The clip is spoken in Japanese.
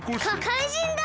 かかいじんだ！